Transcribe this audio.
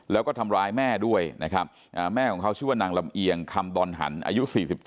แล้วก็ทำร้ายแม่ด้วยนะครับแม่ของเขาชื่อว่านางลำเอียงคำดอนหันอายุ๔๗